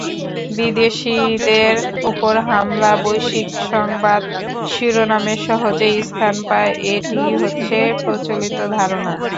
বিদেশিদের ওপর হামলা বৈশ্বিক সংবাদ শিরোনামে সহজেই স্থান পায়—এটিই হচ্ছে প্রচলিত ধারণা।